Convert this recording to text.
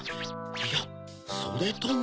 いやそれとも。